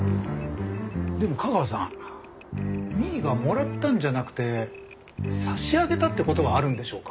でも架川さん美依がもらったんじゃなくて差し上げたって事はあるんでしょうか？